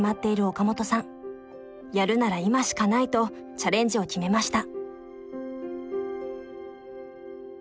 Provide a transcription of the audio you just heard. やるなら今しかないとチャレンジを決めました。